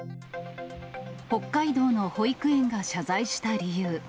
北海道の保育園が謝罪した理由。